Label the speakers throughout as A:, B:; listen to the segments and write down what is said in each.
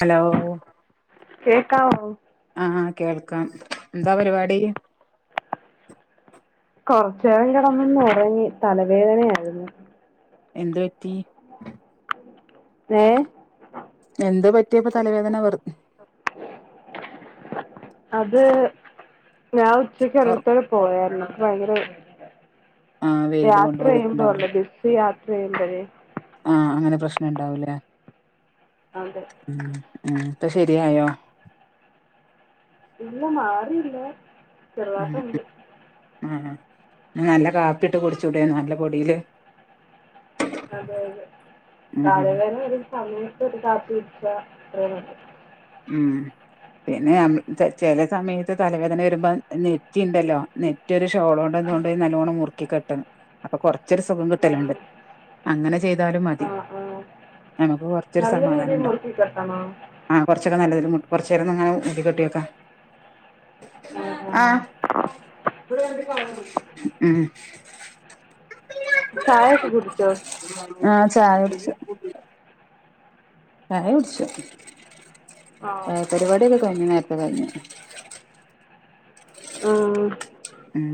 A: Hello
B: കേക്കാവോ
A: ആ കേൾ ക്കാൻ എന്താ പരിപാടി
B: കൊറച്ചു നേരം കിടന്ന് ഉറങ്ങി തലവേദനയായിരുന്നു
A: എന്ത്‌ പറ്റി
B: ഏ
A: എന്ത് പറ്റിയിപ്പോ തലവേദന വെര
B: അത് ഞാൻ ഉച്ചക്ക് ഒരിടത് വരെ പോയരുന്നു ഭങ്കര
A: ആഹ് വെയില് കൊണ്ട്
B: യാത്ര ചെയ്യുമ്പോള്ള ബസ് യാത്ര വേദരി
A: ആ അങ്ങനെ പ്രശ്നുണ്ടാവൂലേ
B: അതെ
A: ഉം ഉ ഇപ്പൊ ശെരിയായോ
B: ഇല്ല മാറിയില്ലേ
A: ഉം ആ ആ നല്ല കാപ്പിട്ട് കുടിച്ചൂടെ നല്ല പൊടിയില്
B: അതെ അതെ
A: ഉം ഉം
B: തലവേദന ഒരു സമയത്ത് ഒരു കാപ്പി കുടിച്ച ഉ
A: ഉ പിന്നെ ചില സമയത്ത് തലവേദന വരുമ്പോ നെറ്റി ഉണ്ടല്ലോ നെറ്റി ഒരു ഷോള് കൊണ്ടു നല്ലവണ്ണം മുറുക്കി കെട്ടണം അപ്പൊ കൊറെ ഇച്ചിരി സുഖം കിട്ടലുണ്ട്
B: ആ
A: അങ്ങനെ ചെയ്താലും
B: ആ
A: മതി
B: ആ
A: നമുക്ക് കൊറച്ചൊരു
B: നല്ല
A: സമാധാനം
B: രീതിയിൽ
A: ഉണ്ടാകും
B: മുറുക്കി കെട്ടണോ
A: ആ കുറച്ചേരം നന്നായി മുറുക്കി കെട്ടിവെക്ക ആ ഉം
B: ചായൊക്കെ കുടിച്ചോ
A: ആഹ് ചായ കുടിച്ചു ചായ കുടിച്ചു ആ പരിപാടൊക്കെ കഴിഞ്ഞോ നേര [inaudible] പറഞ്ഞ
B: ആ
A: ഉം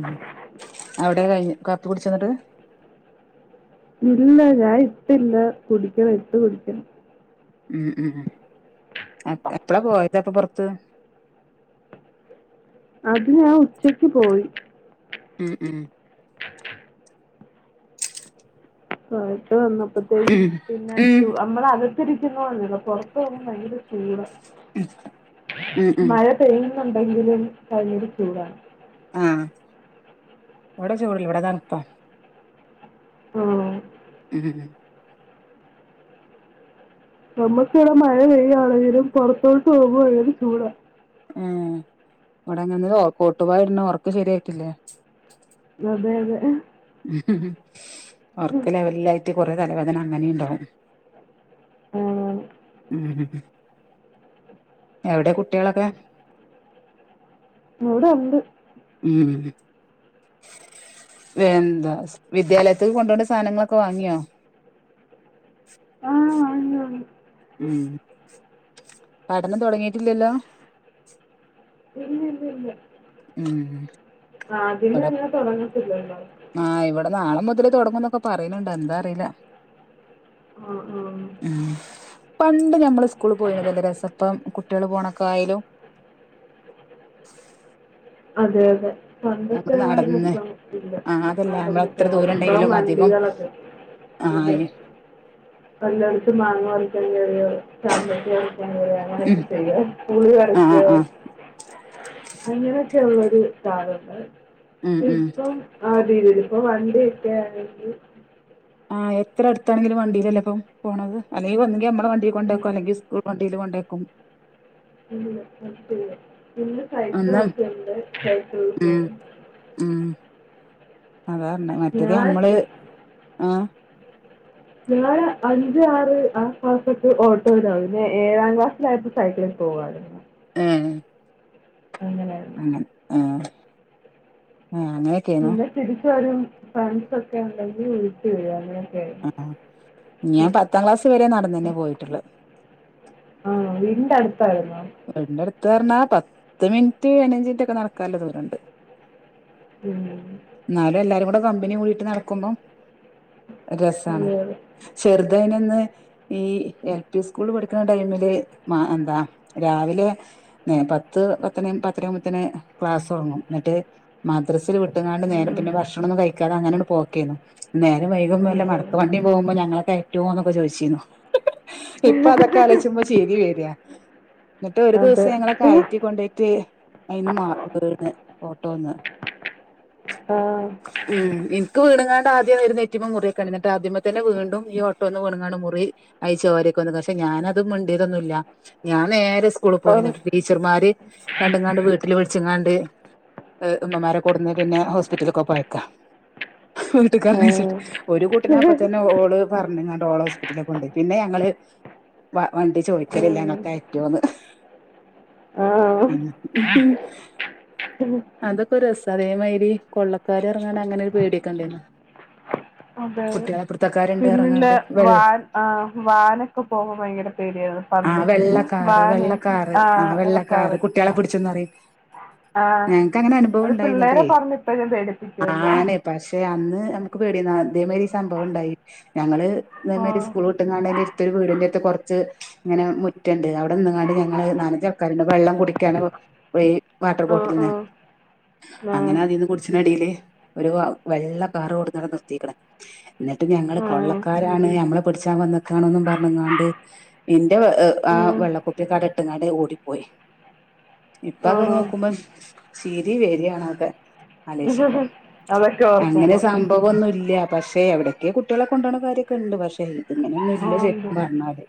A: അവിടെ കഴി കപ്പികുടിച്ചോ എന്നിട്ട്
B: ഇല്ല ഞാൻ ഇട്ടില്ല കുടിക്കണം ഇട്ട് കുടിക്കണം
A: ഉം ഉം ഉ എപ്പഴാ പോയത് അപ്പൊ പുറത്ത്
B: അത്ഞാ ഉച്ചക്ക് പോയി
A: ഉം ഉം
B: ഹായ് വന്നപ്പോഴത്തേക്കും
A: ഉം
B: പിന്നെ
A: ഉം
B: നമ്മളത് റ്റിരിക്കുന്ന [unintelligible] പൊറത്ത് വന്ന ഭയങ്കര ചൂട
A: ഉം ഉം
B: ന്നുണ്ടെങ്കിലും ഭയങ്കര ചൂടാ
A: ആഹ് ഇവടെ ചൂടില്ല ഇവടെ തണ്പ്പ
B: ആഹ്
A: ഉം
B: നമ്മക്കിവടെ മഴ പെയ്യാണെങ്കിലും പൊറത്തോട്ട് പോവുമ്പോ ഭയങ്കര ചൂടാ
A: ഏ ഇങ്ങട്ട് [unintelligible] കോട്ടുവാ ഇട്ണു ഒർക്ക് ശെരിയായിട്ടില്ലേ?
B: അതെ അതെ
A: ഒർക്ക് ലെവൽലയ് [unintelligible] കൊറേ തലവേദന അങ്ങനി ണ്ടാവും
B: ആണാണ്.
A: ഉം എവടെ കുട്ടികളൊക്കെ
B: ഇവ്ടെണ്ട്
A: ഉം വെന്താ സ് വിദ്യാലയത്ത്ക്ക് കൊണ്ടോണ്ടെ സാനങ്ങളൊക്കെ വാങ്ങ്യോ?
B: ങ്ങി വാങ്ങി
A: ഉം പഠനം തൊടങ്ങീട്ടില്ല്യല്ലോ?
B: ഇല്ല ഇല്ല ഇല്ല
A: ഉം വ്ടെ
B: അങ്ങനെ തുടങ്ങത്തില്ലല്ലോ.
A: ആ ഇവ്ടെ നാളെ മുതല് തൊടങ്ങുംന്നൊക്കെ പറീണ് ണ്ട് എന്താ അറീല
B: ആഹ് ആഹ്
A: പണ്ട് ഞമ്മള് സ് കൂൾ പോയ്നതല്ലെ രസപ്പം കുട്ട്യേള് പോണ ക്കായ്ലും
B: അതെ അതെ പണ്ടത്തെ ആ
A: നടന്ന്
B: രസം ഇപ്പം ഇല്ല
A: ആഹ് അതല്ല നമ്മള് എത്ര
B: നടന്ന്ട്ട് വ
A: ദൂരം
B: ഇപ്പളും
A: ഉണ്ടെങ്കിലും അധികം
B: വണ്ടികളൊക്കെ അതെ
A: ആഹ്
B: വല്ലോട്ത്തും മാങ്ങ പറിക്കാൻ കേറിയാേ ചാമ്പക്ക പറിക്കാൻ കേറും
A: ഉം
B: അങ്ങനെയൊക്കെ ചെയ്യും പുളി
A: ആഹ്
B: പറിക്കും
A: ആഹ്
B: കുഞ്ഞിന് [unintelligible] [unintelligible] [unintelligible]
A: ഉം ഉം
B: ഇപ്പൊ വണ്ടി ഒക്ക ആണെങ്കി
A: ആഹ് എത്ര അടുത്താണെങ്കിലും വണ്ടീലല്ലേപ്പൊ പോണത് അല്ലെങ്കി വണ്ടി ഞമ്മ ട വണ്ടി
B: ഉം
A: കൊണ്ടാക്കും അല്ലെങ്കി സ് വണ്ടീല് കൊണ്ടേക്കും.
B: [unintelligible] ഇന്ന്
A: അന്ന്
B: സൈക്കിളൊക്കെയുണ്ട്
A: ഉം
B: [unintelligible]
A: ഉം അതാ പറഞ്ഞെ മറ്റേത് നമ്മള് ആ
B: ഞങ്ങള് അഞ്ച് ആറ് ആ ക്ലാസ്സൊക്കെ ഓട്ടോയിലാ പിന്നെ ഏഴാം ക്ലാസ്സിലായപ്പോ സൈക്കിളിൽ പോകുവായിരുന്നു
A: ഉം
B: അങ്ങനെയാണ്.
A: ആ ആ ആ അങ്ങനെയൊക്കയാന്നോ
B: പിന്നെ തിരിച്ച് വരും ഫ്രണ്ട്സ് ഒക്കെ ഉണ്ടെങ്കിൽ വീട്ടിൽ വരും അങ്ങനെയാ
A: ആ ഞാൻ പത്താം ക്ലാസ് വരെ നടന്ന് തന്നെ പോയിട്ടുള്ള
B: ആ വീടിന്റെ അടു ത്തായിരുന്നോ
A: [unintelligible] പറഞ്ഞാ പത്ത് മിനിറ്റ് പതിനഞ്ച് മിനിറ്റ് ഒക്കെ നടക്കാനൊള്ളദൂരൊണ്ട്
B: ഉം.
A: എന്നാലും എല്ലാരും കൂടെ [unintelligible] കൂടിയിട്ട് നടക്കുമ്പോം രസമാണ്
B: അതെ അതെ.
A: ചെറുതെ ന്ന് ഈ എൽ പി സ്കൂള് പഠിക്കുന്ന ടൈമില് എന്താ രാവിലെ പത്ത് പത്തന പത്തര ആകുമ്പത്തേക്ക് ക്ലാസ്സ് തൊടങ്ങും എന്നിട്ട് മദ്രസെ വി ങ്ങാണ്ട് നേരെ
B: ആഹ്.
A: പിന്നെ ഭക്ഷണമൊ ന്നും കഴിക്കാതെ അങ്ങനണ് പോക്ക്‌ കേന്നു നേരം വൈകുമ്പോ വെല്ല
B: അതെ.
A: മടക്കു വണ്ടി പോകുമ്പോ ഞങ്ങളെ കയ് റ്റോന്നൊക്ക ചോദിച്ചു ച്ചിനോ ഇപ്പൊ അതൊക്കെ ആലോചിച്ചപ്പോ ചിരി വരുവാ എന്നിട്ട് ഒരു
B: അതെ.
A: ദിവസം ഞങ്ങളെ കയറ്റികൊണ്ടയിട്ടു അയിന്ന് വീണ് ഓട്ടോന്ന്
B: ആഹ്.
A: ഉം എനിക്ക് വീ ങ്ങാണ്ട് ആദ്യം എഴുന്നേറ്റപ്പോ മുറിവോക്കെയുണ്ടായി എന്നിട്ട് അതിമെ തന്നെ വീണ്ടും ഈ ഓട്ടോന്ന് വീണങ്ങാണ്ട് മുറിവായി ചോരയൊക്കെ വന്ന് പക്ഷെ ഞാനത് മിണ്ടിയതൊന്നുമില്ല ഞാ നേരെ സ് സ്കൂളിൽ
B: ആണ്.
A: പോയിന്ന് ടീച്ചർമാര് കണ്ടുംങ്ങാണ്ട് വീട്ടില് വിളിച്ചങ്ങാണ്ട് [unintelligible] ഉമ്മമാരെ കൊണ്ടെന്ന് പിന്നെ ഹോസ്പിറ്റലൊക്കെ പോയക്കുവാ വീട്ടുകാരനെ വെച്ചിട്ട്
B: ആഹ്.
A: ഒരു കുട്ടിനെ അപ്പ
B: ഉം.
A: തന്നെ ഓള് പറഞ്ഞങ്ങാണ്ട് ഓളെ ഹോസ്പിറ്റലിൽ കൊണ്ട് പോയി പിന്നെ ഞങ്ങള് വ വണ്ടി ചോദിക്കലില്ല ഞങ്ങൾക്കായി
B: ആഹ്.
A: [unintelligible] അതൊക്കെ ഒരു രസമാ അതേമാതിരി കൊള്ളക്കാര് എറങ്ങണ് അങ്ങനെ ഒരു പേടിയൊക്കെ ഉണ്ടായിരുന്നോ
B: അതെ അതെ.
A: കുട്ടികളെ പിടിത്ത
B: പിന്നില്ലേ വാൻ ആ വാനൊക്കെ പോകുമ്പോ ഭയങ്കര പേടിയായിരുന്നു പണ്ട്
A: കാറ്
B: വാനേ
A: വെള്ളക്കാറ് ആ
B: ആഹ്
A: വെള്ളക്കാറ്
B: ഇടക്കാറ്.
A: കുട്ടികളെ പിടിച്ചന്ന് പറയും
B: ആഹ്
A: ഞങ്ങക്ക് അങ്ങനെ അനുഭവം
B: അത് പിള്ളേരെ
A: ഉണ്ടായിന്നിട്ടെ
B: പറഞ്ഞിപ്പഴും പേടിപ്പിക്കുവല്ലോ
A: ആണ് പക്ഷെ അന്ന് നമുക്ക് പേടിയന്ന് അതേ മാതിരി സംഭവണ്ടായി ഞങ്ങള് ഇതേമാതിരി
B: ആഹ്
A: സ്കൂൾ വിട്ടങ്ങാണ്ടൻന്റെറടുത്ത് ഒരു വീടിന്റെ അടുത്ത് കൊറച്ച് ഇങ്ങനെ മു ണ്ട് അവി ടെ നിന്നാണ്ട് ഞങ്ങള് നലഞ്ച് ആൾക്കാണ്ട് വെള്ളം കുടിക്കാണ് പോയി വാട്ടർ ബോട്ടിൽ
B: ആഹ്
A: നിന്ന്
B: ആഹ് ആഹ്
A: അങ്ങനെ അതിൽന്ന് കുടിച്ചടിയില് ഒരു വ വെള്ള കാറ് കൊടുന്നട നിർത്തിക്കണ് എന്നിട്ട് ഞങ്ങള്
B: ആഹ്
A: കൊള്ളക്കാരാണ് ഞമ്മള് പിടിച്ച് വന്നക്കണൊന്നും പറഞ്ഞങ്ങാണ്ട് നിന്റെ ആ
B: ഉം
A: വെള്ളക്കുപ്പി കടട്ടങ്ങാടി ഓടു പോയി ഇപ്പക്കെ
B: ആണോ
A: നോക്കുമ്പോം ചിരി വരിയാണൊക്കെ ആലേശഭം
B: അതൊക്കെ
A: അങ്ങനെ
B: ഓർക്കുമ്പോ
A: സംഭവം ഒന്നും ഇല്ല പക്ഷെ എവിടയൊക്കെ കുട്ടികളെ കൊണ്ട പോണ കാര്യക്കെ ഉണ്ട് പക്ഷേ ഇങ്ങനെയൊന്നും
B: ആഹ്
A: ഇല്ല
B: ഉണ്ട്
A: ശരിക്കും പറഞ്ഞാല്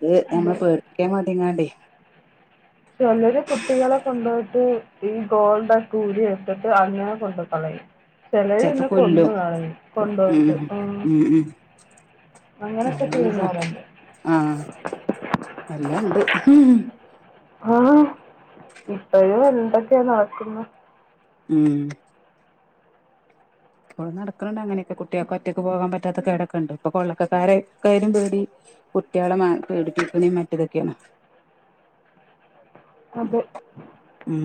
A: അത്
B: ഉണ്ട്
A: നമ്മളെ പേടിപ്പിക്കാൻ വേണ്ടിട്ട് എങ്ങാണ്ടേ
B: ചിലര് കുട്ടികളെ കൊണ്ടുപോയിട്ട് ഈ ഗോൾഡെക്കെ ഊരി എടുത്തിട്ട് അങ്ങനെ കൊണ്ട് കളയും
A: ചെലപ്പോ
B: ചെലന്നെ കൊന്നു
A: കൊല്ലും
B: കളയും കൊണ്ടപോയിട്ട് ഉം അങ്ങനെയൊക്കെ ചെയ്യുന്നവരുണ്ട്
A: ഉം
B: ആഹ ഇപ്പഴും എന്തൊക്കെയാ നടക്കുന്നു
A: ഉം ഇപ്പോൾ നടക്കുന്നുണ്ട് അങ്ങനെയൊക്കെ കുട്ടികൾക്കെ ഒറ്റക്ക് പോകാൻ പറ്റാത്തക്കെടൊക്കുണ്ട് ഇപ്പൊ കൊള്ളക്കക്കാരക്കയും പേടി കുട്ടികളെ പേടിപ്പിക്കുന്നും മറ്റതൊക്കെയാണ്
B: അതെ
A: ഉം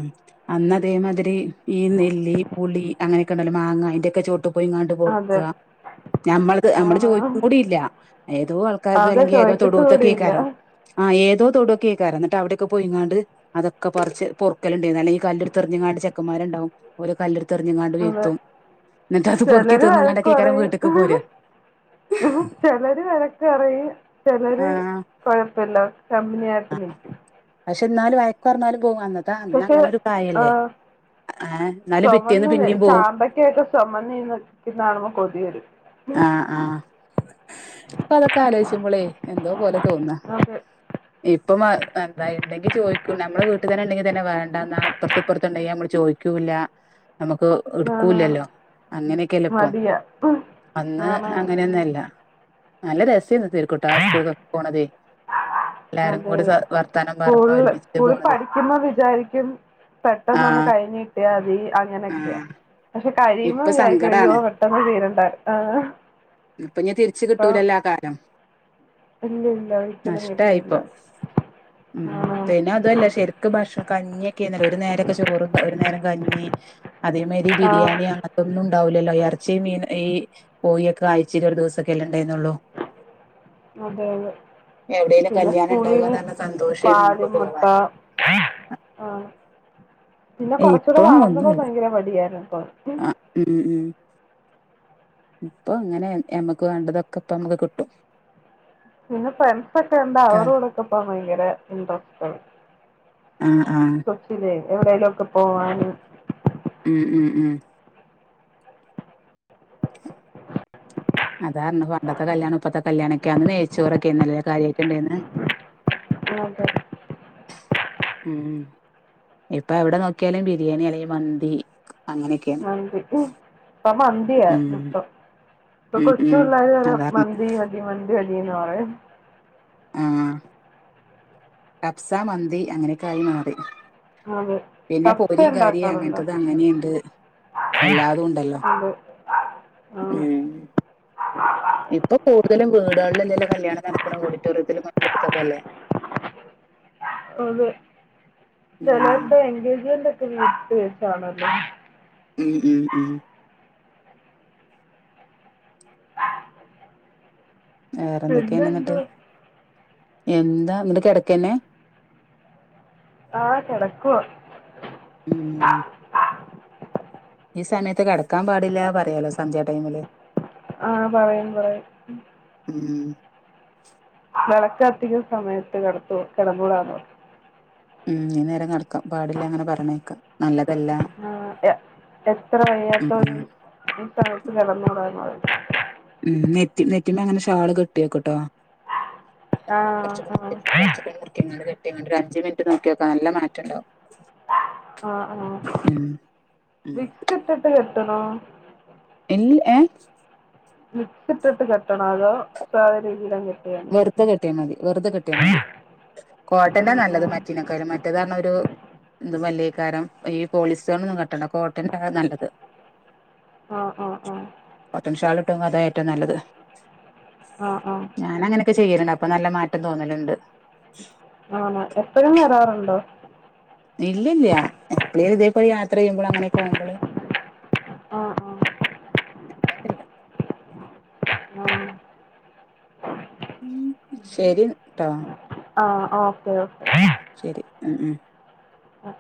A: അന്ന് അതേമാതിരി ഈ നെല്ലി പുളി അങ്ങനെയൊക്കെ ഉണ്ടല്ലോ മാങ്ങ അയിന്റെ ക്കെചോട്ടു പോയി ഇങ്ങണ്ട് പറക്ക
B: അതെ
A: നമ്മളത് നമ്മള് ചോദിക്ക
B: ആണോ
A: കൂടില്ല ഏതോ ആൾക്കാർ
B: അത്
A: അല്ലെങ്കിൽ ഏതോ
B: ചോദിക്കത്ത്
A: തൊടുത്തൊക്കെ
B: കൂടിയില്ല.
A: കേക്കാരോ ആ ഏ ഇതോ തൊടൊക്ക കേക്കറ എന്നട്ട് അവിടെൊക്കെ പോയി ഇങ്ങാണ്ട് അതൊക്കെ പറിച്ച് പെറക്കലുണ്ടയിന് ഇല്ലെത്ത് എറിഞ്ഞങ്ങാണ്ട് ചെക്കൻമാരു ണ്ടാവും ഓര് കല്ലെടുത്ത് തെറിഞ്ഞങ്ങാണ്ട് വീഴ്ത്തും എന്നിട്ട് അത് പൊറുക്കി
B: ചിലര് വഴക്ക്
A: തിന്നുങ്ങാണ്ടൊക്കെക്കാരം
B: പറയും
A: വീട്ട്ക്ക് പോരാ
B: ചിലര് വഴക്ക് പറയുംയും ചിലര്
A: ആഹ്
B: കുഴപ്പ പ്പില്ലാ കമ്മിആട്ട് നിൽക്ക്
A: പക്ഷെ എന്നാലും വയ്ക്ക് പറഞ്ഞാലും പോകും അന്നത്തെ അന്ന്
B: പക്ഷെ
A: അങ്ങനെ ഒരു പ്രായല്ലേ
B: ആഹ
A: ഏഹ് എന്നാലും പിറ്റേന്ന്
B: സ്മന്ന്
A: പിന്നെയും പോവും
B: ചാമ്പക്കായിക്കെ ചെമന്ന് നീന്നക്കുന്നത് കാണമ്പോ കൊതി വരും
A: ആഹ ആഹ ഇപ്പൊ അതൊക്കെ ആലോചിച്ച്പോളേ എന്തോ പോലെ തോന്നാ
B: അതെ
A: ഇപ്പം എന്താ ഇണ്ടെങ്കി ചോദിക്കും നമ്മളെ വീട്ടു തന്നെ ഉണ്ടെങ്കി തന്നെ വേണ്ടന്ന അപ്പുറത്ത് ഇപ്പുറത്ത ഉണ്ടെങ്കി നമ്മള് ചോയിക്കൂല്ല നമുക്ക്
B: ആണ് ആണ്
A: എടുക്കൂല്ലല്ലോ അങ്ങനെയൊക്കെയല്ല ഇപ്പം
B: മടിയാ
A: ഇന്ന്
B: ആണ്
A: അങ്ങനെന്നു അല്ല നല്ല രസേന്ന് തെര്ക്കൂട്ടാ
B: ആണ്.
A: സ്കൂൾക്കൊക്കെ പോണതെ
B: അതെ
A: പറഞ്ഞ്
B: സ്കൂൾല്
A: ഒരുമിച്ച്
B: സ്കൂൾ
A: പോണത്
B: പഠിക്ക്മ്പോ വിചാരിക്കും പെട്ടെന്നൊന്ന്
A: ആഹ്
B: കഴിഞ്ഞിട്ടിയാതി അങ്ങനെക്കെ.
A: ആഹ്
B: കഴിയുമ്പോ
A: ഇപ്പൊ
B: വിചാരിക്കും അയ്യോ
A: സങ്കടാണ്
B: പെട്ടെന്ന് തീരണ്ടാ ആ കിട്ടൂല്ല
A: നഷ്ടായിപ്പൊ ഉം
B: ആണാണ്
A: പിന്നെ അതു അ ല്ല ശര്ക്ക് ഭഷ കഞ്ഞിക്കെന്നല്ലോ ഒരു നേരൊക്കെ ചോറും ഒരു നേരം കഞ്ഞി. അതേ മാരി ബി
B: ആഹ്
A: ബിരിയാണിയോ അങ്ങത്തൊന്നും ഉണ്ടാവൂലല്ലോ എർച്ചി, മീന് ഈ കോയിക്കെ ആയ്ച്ചീല് ഒരു ദിവസക്കെല്ലെ ഇണ്ടായിന്നുള്ളു.
B: അതെയതെ പിന്നെ
A: കല്യാണം
B: സ്കൂളിന്
A: ഉണ്ടാകാന്ന് പറഞ്ഞ സന്തോഷേന്നു
B: പാൽ,
A: അന്നൊക്കെ
B: മുട്ട
A: പോവാന്
B: ആഹ പിന്നെ കൊറച്ചൂടെ
A: ഇപ്പൊ
B: വളർന്നപ്പോ
A: ഒന്നുല്ല
B: ഭയങ്കര മടിയായിരുന്നു കൊർച്ച്
A: ആ ഉം ഉം ഇപ്പൊ അങ്ങനെ എമ്മക്ക് വേണ്ടതൊക്കെ ഇപ്പ മ്മക്ക് കിട്ടും.,
B: പിന്നെ ഫ്രണ്ട്സ് ഒക്കെ എന്താ അവരോടെക്കെ പറി. ഭയങ്കര ഇൻട്രസ്റ്റ്.
A: ആഹ ആ
B: എവിടെലൊക്കെ പോവാന്
A: ഉം ഉം ഉം. അതാർഞ്ഞേ പണ്ടത്തെ കല്യാണം ഇപ്പത്തെ കല്യാണൊക്കെ ആന്ന് നെയ്ച്ചോറൊക്കെര്ന്ന്ല്ലേ കാര്യയിട്ടുണ്ടായിന്ന്
B: ആതെ.
A: ഉം ഇപ്പൊ എവിടെ നോക്കിയാലും ബിരിയാണി അല്ലെങ്കിൽ മന്തി, അങ്ങനെയൊക്കെയാണ്
B: മന്തി ഉം ഇപ്പ മന്തിയ
A: ഉം
B: ഇപ്പം
A: ഉം ഉം
B: കൊച്ചൂള്ളാര് വരെ
A: അതാ
B: മന്തി മന്തി മ തീന്ന് പറയും.
A: ആഹ് കബ്സ, മന്തി അങ്ങനെയക്കായി മാറി.
B: അതെ
A: പിന്നെ
B: കപ്സ
A: പൊരിയും കാരിം
B: ഉണ്ടാക്കാറുണ്ടോ
A: അങ്ങനത്തത് അങ്ങനെയുണ്ട്
B: അതെ
A: എല്ലാതും ഉണ്ടല്ലോ
B: ആണ്
A: ഉം. ഇപ്പൊ കൂടുതലും വീടുകളിലെല്ലോ കല്യാണം നടക്കണ് ഓഡിറ്റോറിയം മറ്റിലെടുത്തൊക്കെ അല്ലേ? ഉം
B: ചെലോർടെ എൻഗേജ്മെന്റോ ക്കെ വീട്ടിൽ വെച്ചാണല്ലോ
A: ഉം ഉം ഉം വേറെന്തൊക്കെയാണ് എന്നിട്ട്?
B: പിന്നെന്തുവാ
A: എന്താ ന്നിട്ട് കിടക്കന്നെ?
B: ആഹ് കിടക്കുവാ.
A: ഉം ഈ സമയത്ത് കിടക്കാൻ പാടില്ല പറയാലോ സന്ധ്യ ടൈമില്.
B: ആഹ പറയും പറയും
A: ഉം
B: വിളക്കു കത്തിക്കുന്ന സമയത്ത് കിടത്തൂ കിടന്നൂടെ
A: ഉം ഇ നേര നട
B: ആ എത്ര വയ്യാത്ത
A: ഉം
B: ഒരു സ്ഥലത്ത് കിടന്നൂടാ എന്ന് പറയും
A: ഉം നെറ്റി നെറ്റിമ്മ അങ്ങനെ ഷാള് കെട്ടിയോക്കട്ടോ
B: ആഹ്
A: അറച്ച
B: ആഹ്
A: കുറച്ചങ്ങ ങ്ങൊ അഞ്ച് മിനി നോിയോക്ക നല്ല മാറ്റംണ്ടാവും
B: ആ ആ
A: ഉം ഉം
B: വിക്സ് ഇട്ടിട്ട് ആ
A: ഇൽ യെ
B: വിക്സ്‌ ഇട്ടിട്ട് കെട്ടണം അതോ സദ രീതിയില കെ
A: വെറുതെ കെട്ടിയൽ മതി വെറുതെ കെട്ടിയാ മതി കോട്ടന്റെ
B: ഉം
A: നല്ലത്
B: ഉം
A: മറ്റിനെക്കാളും മറ്റേതാണ് എന്ത് മല്ലീക്കാരം ഈ പോളിസ്റ്റോൺ ഒന്നും കട്ടണ്ട കോട്ടൻ നല്ലത്
B: ആഹ് ആഹ് ആഹ്
A: കോട്ടൺ ഷാലിട്ടും അതായ ഏറ്റവും നല്ലത്
B: ആഹ ആഹ
A: ഞാന അങ്ങനെയൊക്കെ ചെയ്യലുണ്ട് അപ്പൊ നല്ല മാറ്റം തോന്നലുണ്ട്.
B: ആണ എപ്പോഴും വരാറുണ്ടോ
A: ഇല്ലല്ല എപ്പളും ഇതേ പോയി യാത്ര ചെയ്യുമ്പോൾ അങ്ങനെക്കെ പോവുമ്പോള്
B: ആഹ് ആഹ്
A: ഉ ശരിട്ട
B: ആ ഓക്കെ ഓക്കെ
A: ശരി ഉം ഉം
B: ആ